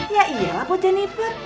ya iyalah buat jeniper